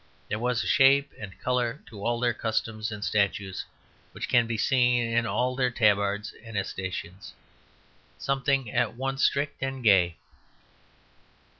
There was a shape and colour in all their customs and statutes which can be seen in all their tabards and escutcheons; something at once strict and gay.